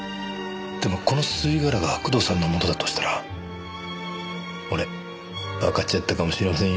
でもこの吸い殻が工藤さんのものだとしたら俺わかっちゃったかもしれませんよ。